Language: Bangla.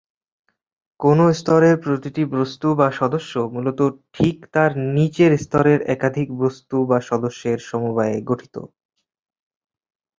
কোনও স্তরের প্রতিটি "বস্তু" বা "সদস্য" মূলত ঠিক তার নিচের স্তরের একাধিক বস্তু বা সদস্যের সমবায়ে গঠিত।